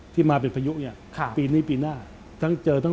ที่มาเป็นประยุกต์ปีนี้ปีหน้า